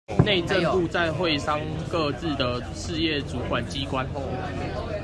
內政部在會商各目的事業主管機關後